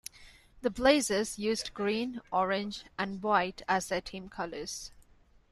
The Blazers used green, orange, and white as their team colors.